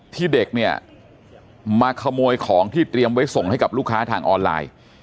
ที่เด็กเนี่ยมาขโมยของที่เตรียมไว้ส่งให้กับลูกค้าทางออนไลน์